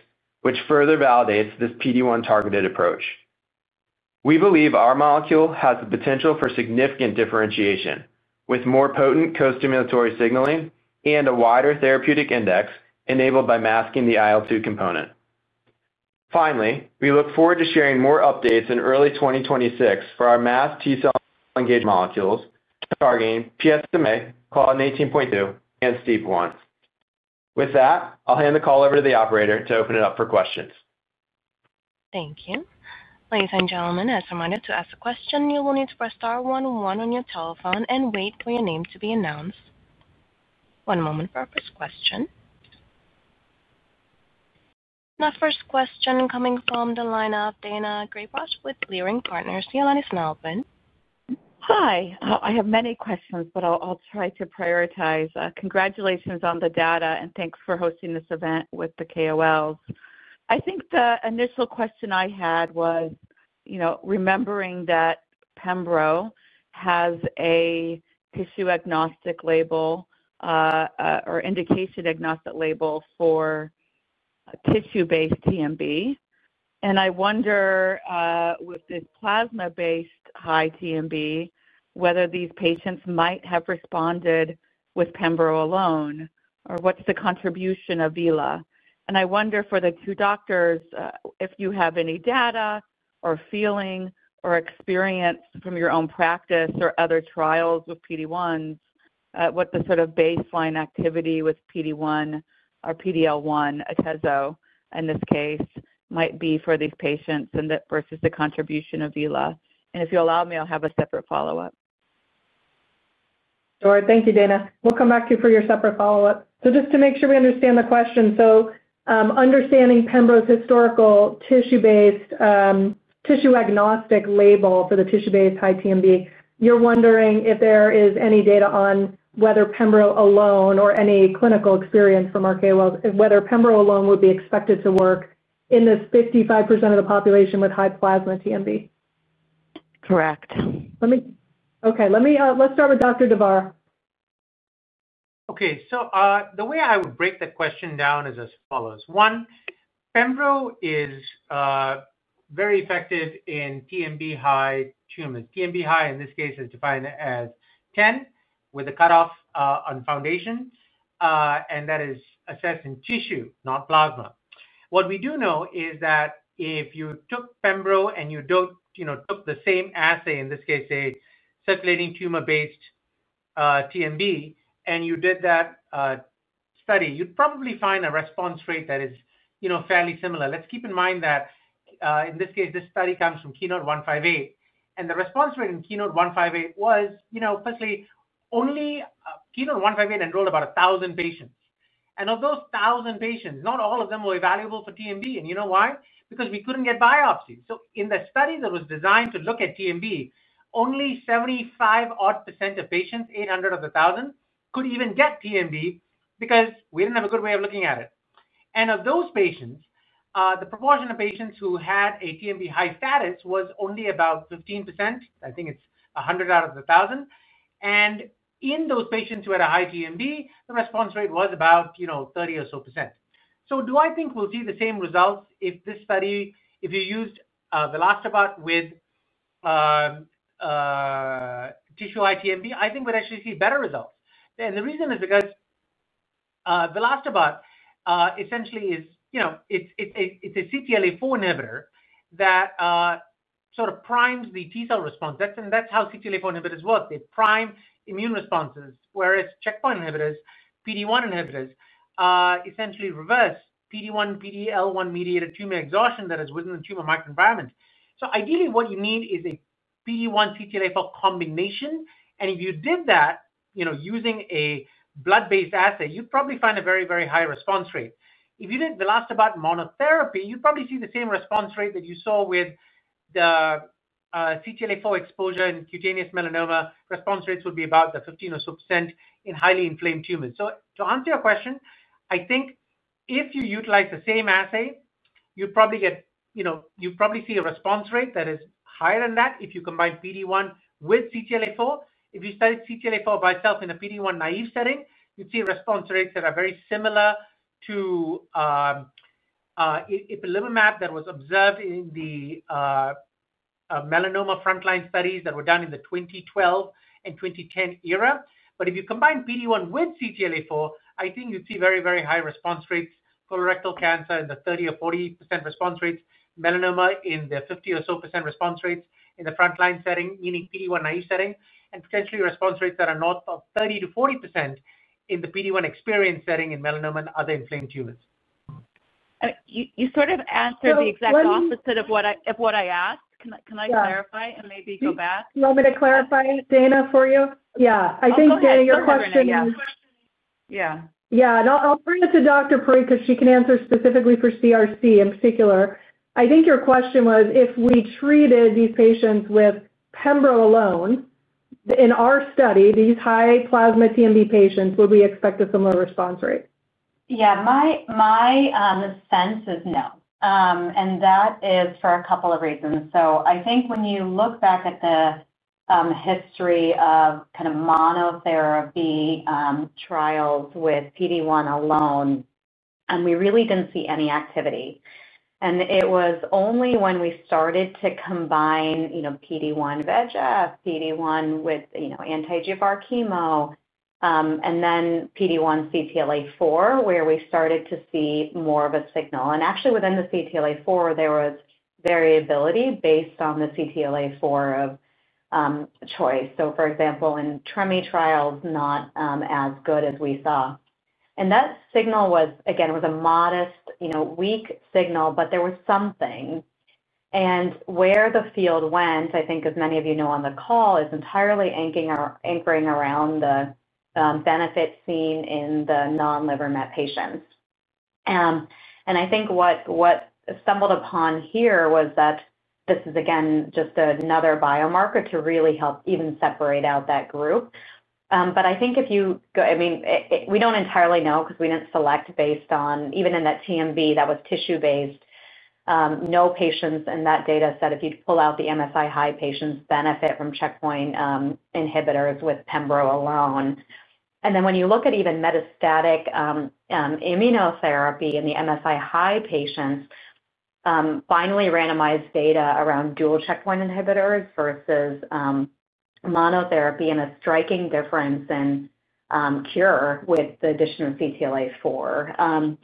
Speaker 7: which further validates this PD-1 targeted approach. We believe our molecule has the potential for significant differentiation with more potent co-stimulatory signaling and a wider therapeutic index enabled by masking the IL-2 component. Finally, we look forward to sharing more updates in early 2026 for our masked T-cell engager molecules targeting PSMA, CLDN18.2, and STEAP1. With that, I'll hand the call over to the operator to open it up for questions.
Speaker 1: Thank you. Ladies and gentlemen, as reminded to ask a question, you will need to press star one one on your telephone and wait for your name to be announced. One moment for our first question. Now, first question coming from the line of Daina Graybosch with Leerink Partners, the Atlantis Melvin.
Speaker 8: Hi. I have many questions, but I'll try to prioritize. Congratulations on the data, and thanks for hosting this event with the KOLs. I think the initial question I had was remembering that Pembro has a tissue-agnostic label or indication-agnostic label for tissue-based TMB. I wonder with this plasma-based high TMB whether these patients might have responded with Pembro alone or what's the contribution of Vila. I wonder for the two doctors if you have any data or feeling or experience from your own practice or other trials with PD-1s, what the sort of baseline activity with PD-1 or PD-L1, Atezo in this case, might be for these patients versus the contribution of Vila. If you'll allow me, I'll have a separate follow-up.
Speaker 3: Sure. Thank you, Daina. We'll come back to you for your separate follow-up. Just to make sure we understand the question, understanding Pembro's historical tissue-based tissue-agnostic label for the tissue-based high TMB, you're wondering if there is any data on whether Pembro alone or any clinical experience from our KOLs, whether Pembro alone would be expected to work in this 55% of the population with high plasma TMB.
Speaker 8: Correct.
Speaker 3: Okay. Let me, let's start with Dr. Davar.
Speaker 5: Okay. The way I would break the question down is as follows. One, Pembro is very effective in TMB high tumors. TMB high in this case is defined as 10 with a cutoff on Foundation. That is assessed in tissue, not plasma. What we do know is that if you took Pembro and you took the same assay, in this case, a circulating tumor-based TMB, and you did that study, you'd probably find a response rate that is fairly similar. Let's keep in mind that in this case, this study comes from Keynote 158. The response rate in Keynote 158 was, firstly, only Keynote 158 enrolled about 1,000 patients. Of those 1,000 patients, not all of them were evaluable for TMB. You know why? Because we couldn't get biopsies. In the study that was designed to look at TMB, only 75-odd % of patients, 800 of the 1,000, could even get TMB because we did not have a good way of looking at it. Of those patients, the proportion of patients who had a TMB high status was only about 15%. I think it is 100 out of the 1,000. In those patients who had a high TMB, the response rate was about 30 or so %. Do I think we will see the same results if this study, if you used Vilastobart with tissue high TMB? I think we would actually see better results. The reason is because Vilastobart essentially is, it is a CTLA-4 inhibitor that sort of primes the T-cell response. That is how CTLA-4 inhibitors work. They prime immune responses, whereas checkpoint inhibitors, PD-1 inhibitors, essentially reverse PD-1, PD-L1 mediated tumor exhaustion that is within the tumor microenvironment. Ideally, what you need is a PD-1, CTLA-4 combination. If you did that using a blood-based assay, you'd probably find a very, very high response rate. If you did Vilastobart monotherapy, you'd probably see the same response rate that you saw with the CTLA-4 exposure in cutaneous melanoma. Response rates would be about the 15% or so in highly inflamed tumors. To answer your question, I think if you utilize the same assay, you'd probably see a response rate that is higher than that if you combine PD-1 with CTLA-4. If you studied CTLA-4 by itself in a PD-1 naive setting, you'd see response rates that are very similar to Ipilimumab that was observed in the melanoma frontline studies that were done in the 2012 and 2010 era. If you combine PD-1 with CTLA-4, I think you'd see very, very high response rates. Colorectal cancer in the 30%-40% response rates. Melanoma in the 50 or so % response rates in the frontline setting, meaning PD-1 naive setting. And potentially response rates that are north of 30%-40% in the PD-1 experienced setting in melanoma and other inflamed tumors.
Speaker 8: You sort of answered the exact opposite of what I asked. Can I clarify and maybe go back?
Speaker 3: Do you want me to clarify, Daina, for you?
Speaker 8: Yeah.
Speaker 3: I think, Daina, your question is.
Speaker 8: Yeah.
Speaker 3: Yeah. I'll bring it to Dr. Parikh because she can answer specifically for CRC in particular. I think your question was if we treated these patients with Pembro alone, in our study, these high plasma TMB patients, would we expect a similar response rate?
Speaker 6: Yeah. My sense is no. That is for a couple of reasons. I think when you look back at the history of kind of monotherapy trials with PD-1 alone, we really did not see any activity. It was only when we started to combine PD-1 VEGF, PD-1 with anti-EGFR chemo, and then PD-1 CTLA-4, where we started to see more of a signal. Actually, within the CTLA-4, there was variability based on the CTLA-4 of choice. For example, inTremelimumab trials, not as good as we saw. That signal was, again, a modest, weak signal, but there was something. Where the field went, I think, as many of you know on the call, is entirely anchoring around the benefit seen in the non-liver met patients. I think what stumbled upon here was that this is, again, just another biomarker to really help even separate out that group. I think if you go, I mean, we do not entirely know because we did not select based on, even in that TMB that was tissue-based, no patients in that data set, if you pull out the MSI high patients, benefit from checkpoint inhibitors with Pembro alone. When you look at even metastatic immunotherapy in the MSI high patients, finally randomized data around dual checkpoint inhibitors versus monotherapy and a striking difference in cure with the addition of CTLA-4.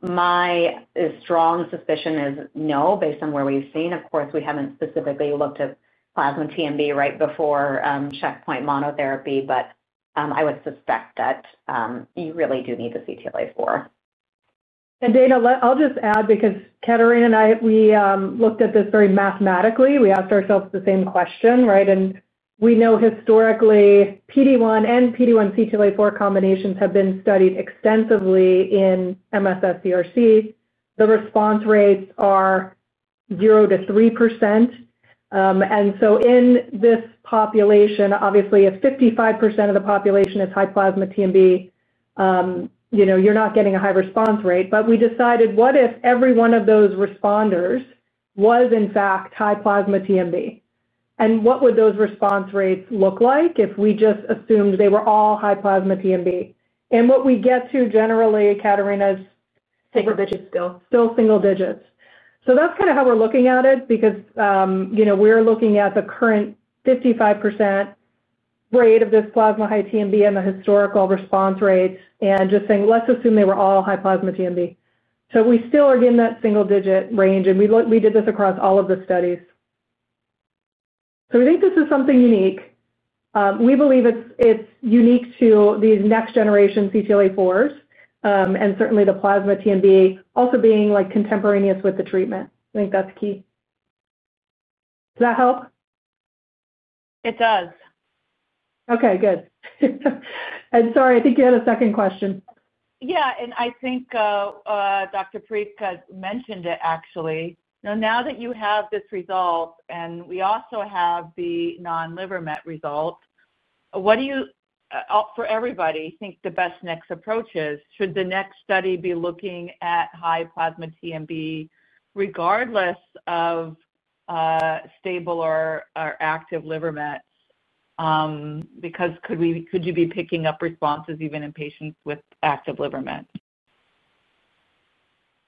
Speaker 6: My strong suspicion is no, based on where we have seen. Of course, we have not specifically looked at plasma TMB right before checkpoint monotherapy, but I would suspect that you really do need the CTLA-4.
Speaker 3: Daina, I'll just add because Katarina and I, we looked at this very mathematically. We asked ourselves the same question, right? We know historically PD-1 and PD-1 CTLA-4 combinations have been studied extensively in MSS CRC. The response rates are 0%-3%. In this population, obviously, if 55% of the population is high plasma TMB, you're not getting a high response rate. We decided, what if every one of those responders was, in fact, high plasma TMB? What would those response rates look like if we just assumed they were all high plasma TMB? What we get to generally, Katarina's.
Speaker 4: Single digits still.
Speaker 3: Still single digits. So that's kind of how we're looking at it because we're looking at the current 55% rate of this plasma high TMB and the historical response rates and just saying, let's assume they were all high plasma TMB. So we still are in that single digit range. And we did this across all of the studies. So we think this is something unique. We believe it's unique to these next generation CTLA-4s and certainly the plasma TMB also being contemporaneous with the treatment. I think that's key. Does that help?
Speaker 8: It does.
Speaker 3: Okay. Good. Sorry, I think you had a second question.
Speaker 8: Yeah. I think Dr. Parikh mentioned it, actually. Now that you have this result and we also have the non-liver met result, what do you, for everybody, think the best next approach is? Should the next study be looking at high plasma TMB regardless of stable or active liver mets? Because could you be picking up responses even in patients with active liver mets?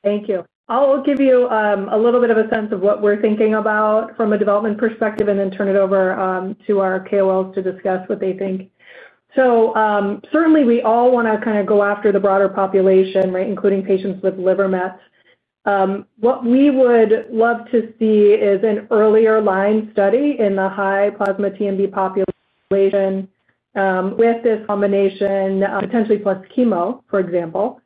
Speaker 3: Thank you. I'll give you a little bit of a sense of what we're thinking about from a development perspective and then turn it over to our KOLs to discuss what they think. Certainly, we all want to kind of go after the broader population, right, including patients with liver mets. What we would love to see is an earlier line study in the high plasma TMB population with this combination, potentially plus chemo, for example.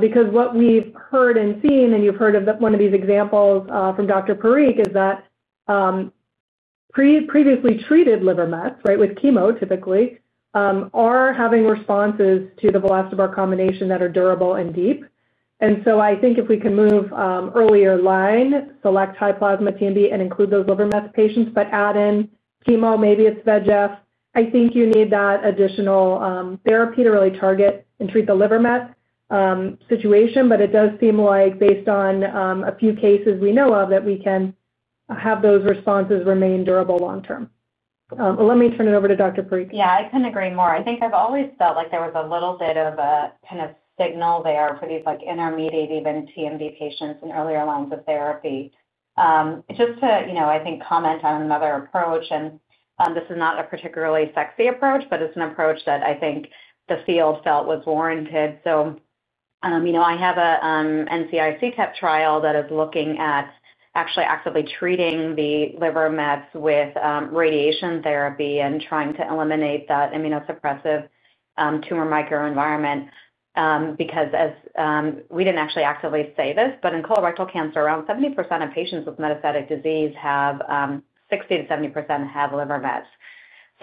Speaker 3: Because what we've heard and seen, and you've heard of one of these examples from Dr. Parikh, is that previously treated liver mets, right, with chemo typically, are having responses to the Vilastobart combination that are durable and deep. I think if we can move earlier line, select high plasma TMB and include those liver met patients, but add in chemo, maybe it's VEGF. I think you need that additional therapy to really target and treat the liver met situation. It does seem like, based on a few cases we know of, that we can have those responses remain durable long term. Let me turn it over to Dr. Parikh.
Speaker 6: Yeah. I couldn't agree more. I think I've always felt like there was a little bit of a kind of signal there for these intermediate even TMB patients in earlier lines of therapy. Just to, I think, comment on another approach. This is not a particularly sexy approach, but it's an approach that I think the field felt was warranted. I have an NCI CTEP trial that is looking at actually actively treating the liver mets with radiation therapy and trying to eliminate that immunosuppressive tumor microenvironment because we didn't actually actively say this, but in colorectal cancer, around 70% of patients with metastatic disease, 60%-70% have liver mets.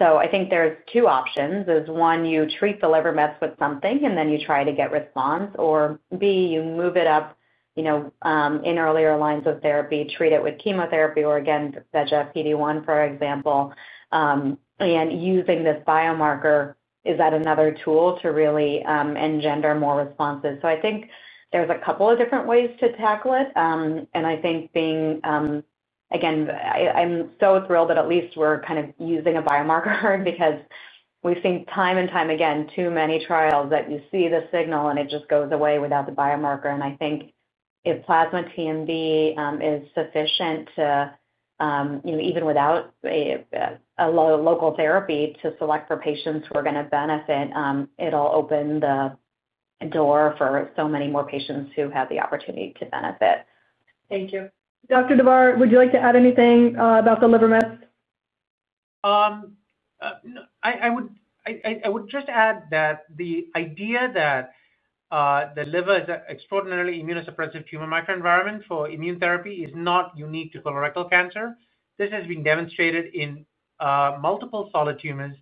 Speaker 6: I think there's two options. One, you treat the liver mets with something and then you try to get response. B, you move it up in earlier lines of therapy, treat it with chemotherapy or, again, VEGF, PD-1, for example. Using this biomarker, is that another tool to really engender more responses? I think there are a couple of different ways to tackle it. I think, again, I am so thrilled that at least we are kind of using a biomarker because we have seen time and time again, too many trials where you see the signal and it just goes away without the biomarker. I think if plasma TMB is sufficient to, even without a local therapy, select for patients who are going to benefit, it will open the door for so many more patients who have the opportunity to benefit.
Speaker 3: Thank you. Dr. Davar, would you like to add anything about the liver mets?
Speaker 5: I would just add that the idea that the liver is an extraordinarily immunosuppressive tumor microenvironment for immune therapy is not unique to colorectal cancer. This has been demonstrated in multiple solid tumors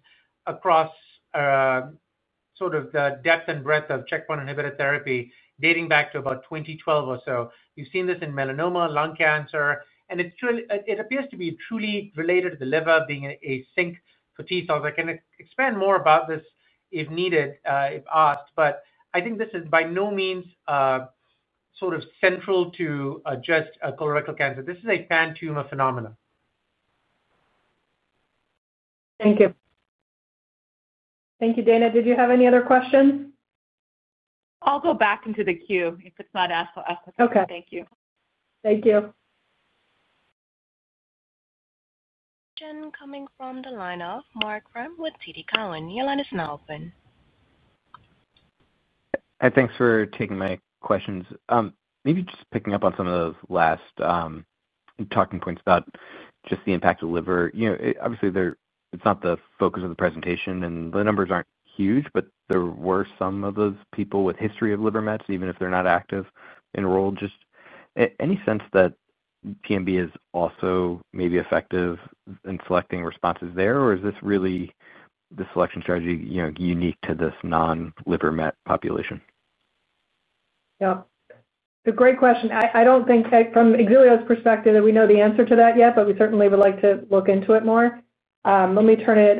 Speaker 5: across sort of the depth and breadth of checkpoint inhibitor therapy dating back to about 2012 or so. We've seen this in melanoma, lung cancer. It appears to be truly related to the liver being a sink for T-cells. I can expand more about this if needed, if asked. I think this is by no means sort of central to just colorectal cancer. This is a pan-tumor phenomenon.
Speaker 3: Thank you. Thank you, Daina. Did you have any other questions?
Speaker 8: I'll go back into the queue if it's not asked.
Speaker 3: Okay.
Speaker 8: Thank you.
Speaker 3: Thank you.
Speaker 1: Question coming from the line of Marc Frahm with TD Cowen. Your line is now open.
Speaker 9: Hi. Thanks for taking my questions. Maybe just picking up on some of those last talking points about just the impact of liver. Obviously, it's not the focus of the presentation and the numbers aren't huge, but there were some of those people with history of liver mets, even if they're not active. Enrolled. Just any sense that TMB is also maybe effective in selecting responses there? Or is this really the selection strategy unique to this non-liver met population?
Speaker 3: Yep. A great question. I don't think, from Xilio's perspective, that we know the answer to that yet, but we certainly would like to look into it more. Let me turn it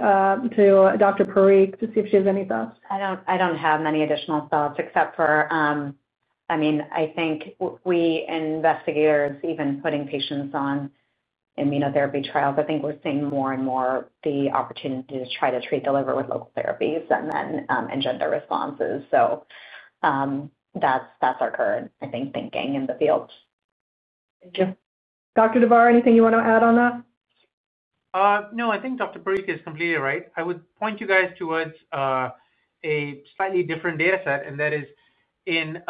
Speaker 3: to Dr. Parikh to see if she has any thoughts.
Speaker 6: I don't have many additional thoughts except for, I mean, I think we investigators, even putting patients on immunotherapy trials, I think we're seeing more and more the opportunity to try to treat the liver with local therapies and then engender responses. That's our current, I think, thinking in the field.
Speaker 3: Thank you. Dr. Davar, anything you want to add on that?
Speaker 5: No. I think Dr. Parikh is completely right. I would point you guys towards a slightly different data set. That is, in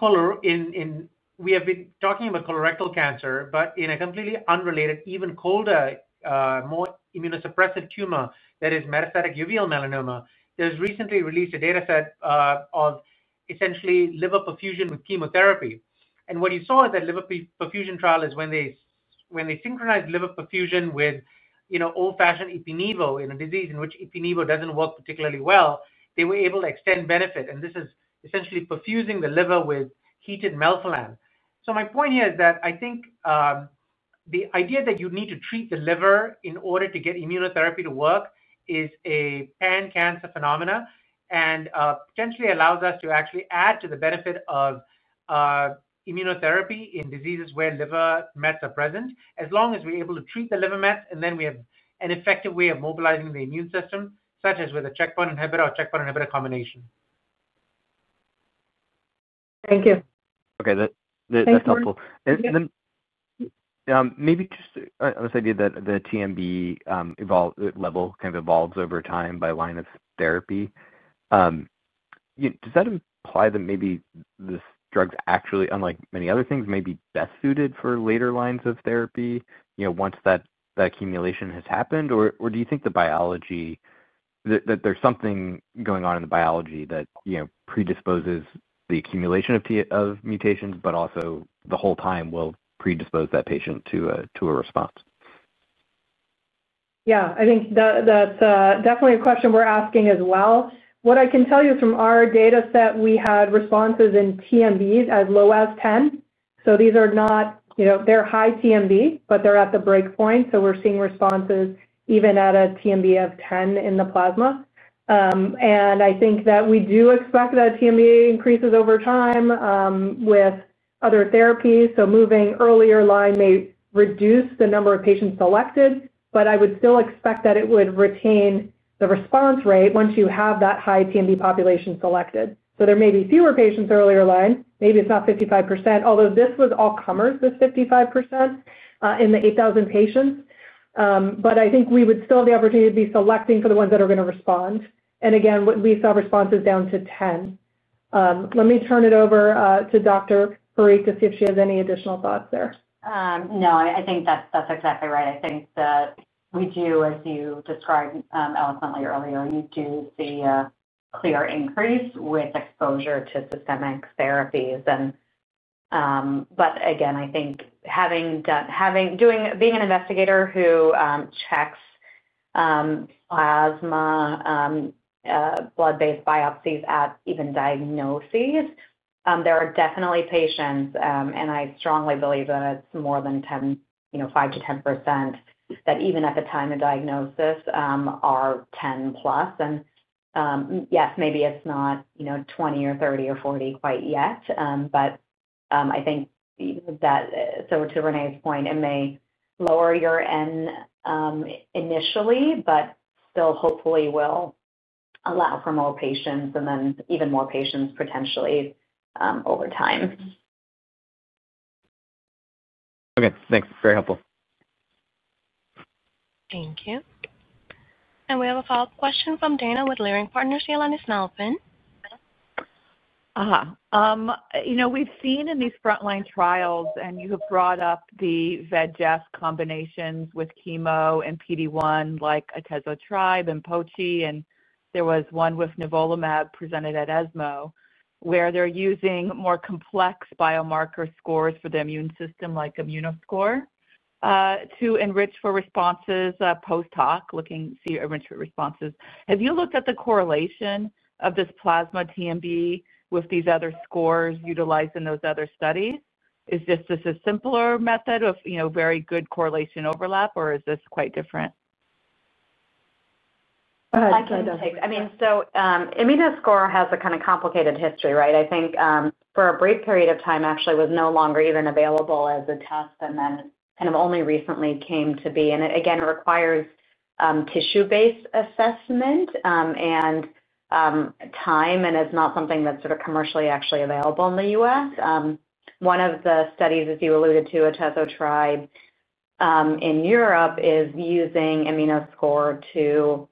Speaker 5: color, we have been talking about colorectal cancer, but in a completely unrelated, even colder, more immunosuppressive tumor that is metastatic uveal melanoma, there is recently released a data set of essentially liver perfusion with chemotherapy. What you saw is that liver perfusion trial is when they synchronized liver perfusion with old-fashioned ipi-nivo in a disease in which ipi-nivo does not work particularly well, they were able to extend benefit. This is essentially perfusing the liver with heated Melphalan. My point here is that I think the idea that you need to treat the liver in order to get immunotherapy to work is a pan-cancer phenomena and potentially allows us to actually add to the benefit of immunotherapy in diseases where liver mets are present, as long as we're able to treat the liver mets and then we have an effective way of mobilizing the immune system, such as with a checkpoint inhibitor or checkpoint inhibitor combination.
Speaker 3: Thank you.
Speaker 9: Okay. That's helpful. Maybe just on this idea that the TMB level kind of evolves over time by line of therapy. Does that imply that maybe this drug's actually, unlike many other things, may be best suited for later lines of therapy once that accumulation has happened? Or do you think the biology, that there's something going on in the biology that predisposes the accumulation of mutations, but also the whole time will predispose that patient to a response?
Speaker 3: Yeah. I think that's definitely a question we're asking as well. What I can tell you is from our data set, we had responses in TMBs as low as 10. These are not, they're high TMB, but they're at the breakpoint. We're seeing responses even at a TMB of 10 in the plasma. I think that we do expect that TMB increases over time with other therapies. Moving earlier line may reduce the number of patients selected, but I would still expect that it would retain the response rate once you have that high TMB population selected. There may be fewer patients earlier line. Maybe it's not 55%, although this was all comers, this 55% in the 8,000 patients. I think we would still have the opportunity to be selecting for the ones that are going to respond. Again, we saw responses down to 10. Let me turn it over to Dr. Parikh to see if she has any additional thoughts there.
Speaker 6: No. I think that's exactly right. I think that we do, as you described eloquently earlier, you do see a clear increase with exposure to systemic therapies. Again, I think being an investigator who checks plasma, blood-based biopsies at even diagnoses, there are definitely patients, and I strongly believe that it's more than 5%-10% that even at the time of diagnosis are 10+. Yes, maybe it's not 20 or 30 or 40 quite yet, but I think that, to Rene's point, it may lower your end initially, but still hopefully will allow for more patients and then even more patients potentially over time.
Speaker 9: Okay. Thanks. Very helpful.
Speaker 1: Thank you. We have a follow-up question from Daina Graybosch with Leerink Partners, Your line is open.
Speaker 8: We've seen in these frontline trials, and you have brought up the VEGF combinations with chemo and PD-1 like Atezolizumab and POCHI, and there was one with Nivolumab presented at ESMO where they're using more complex biomarker scores for the immune system like Immunoscore to enrich for responses post-hoc, looking to see enrichment responses. Have you looked at the correlation of this plasma TMB with these other scores utilized in those other studies? Is this a simpler method of very good correlation overlap, or is this quite different?
Speaker 6: I can take, I mean, so Immunoscore has a kind of complicated history, right? I think for a brief period of time, actually, it was no longer even available as a test and then kind of only recently came to be. It requires tissue-based assessment and time and is not something that's sort of commercially actually available in the U.S. One of the studies, as you alluded to, Atezolizumab in Europe is using Immunoscore to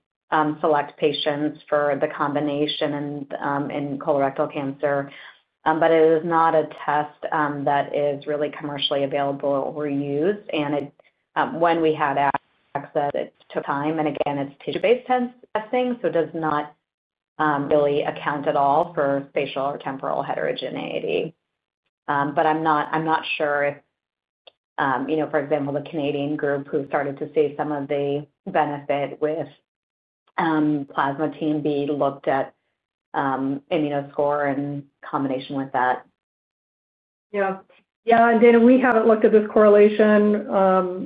Speaker 6: select patients for the combination in colorectal cancer. It is not a test that is really commercially available or used. When we had access, it took time. It is tissue-based testing, so it does not really account at all for spatial or temporal heterogeneity. I'm not sure if, for example, the Canadian group who started to see some of the benefit with plasma TMB looked at Immunoscore in combination with that.
Speaker 3: Yeah. Yeah. Daina, we haven't looked at this correlation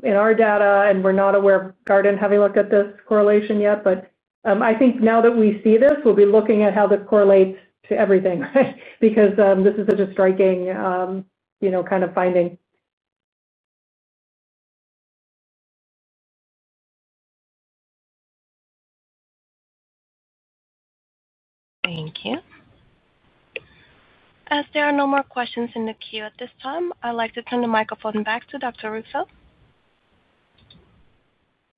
Speaker 3: in our data, and we're not aware of Guardant having looked at this correlation yet. I think now that we see this, we'll be looking at how this correlates to everything, right? Because this is such a striking kind of finding.
Speaker 1: Thank you. As there are no more questions in the queue at this time, I'd like to turn the microphone back to Dr. Russo.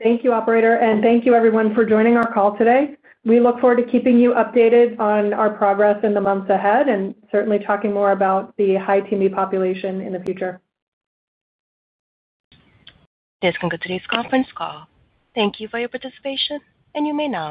Speaker 3: Thank you, operator. Thank you, everyone, for joining our call today. We look forward to keeping you updated on our progress in the months ahead and certainly talking more about the high TMB population in the future.
Speaker 1: This concludes today's conference call. Thank you for your participation, and you may now disconnect.